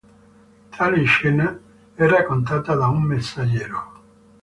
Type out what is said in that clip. Tale scena è raccontata da un messaggero.